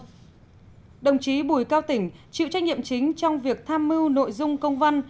năm đối với đồng chí bùi cao tỉnh chịu trách nhiệm chính trong việc tham mưu nội dung công văn